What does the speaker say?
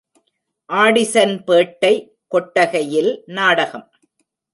ஆடிசன்பேட்டை கொட்டகையில் நாடகம்.